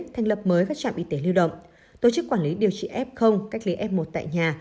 thành lập mới các trạm y tế lưu động tổ chức quản lý điều trị f cách ly f một tại nhà